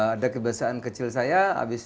ada kebiasaan kecil saya